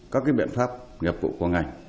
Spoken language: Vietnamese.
các cái biện pháp nghiệp vụ của ngành